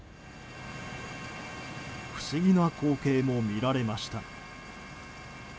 不思議な光景も見られました。